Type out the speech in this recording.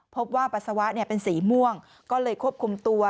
ปัสสาวะเป็นสีม่วงก็เลยควบคุมตัว